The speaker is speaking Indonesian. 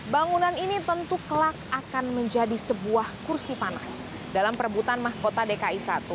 bangunan ini tentu kelak akan menjadi sebuah kursi panas dalam perebutan mahkota dki satu